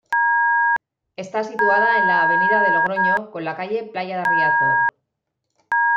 Está situada en la avenida de Logroño con la calle Playa de Riazor.